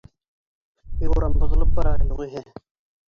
Фигурам боҙолоп бара, юғиһә.